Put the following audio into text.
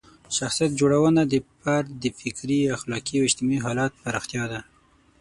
شخصیت جوړونه د فرد د فکري، اخلاقي او اجتماعي حالت پراختیا ده.